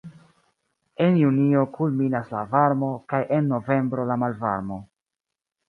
En junio kulminas la varmo kaj en novembro la malvarmo.